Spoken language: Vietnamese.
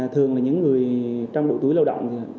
thường là những người trong độ tuổi lao động